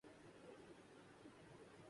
کیا کوئی ایک شخص دنیا میں کوئی بدلاؤ لا سکتا ہے